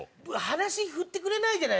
話振ってくれないじゃないですか。